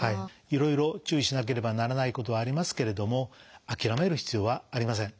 いろいろ注意しなければならないことはありますけれども諦める必要はありません。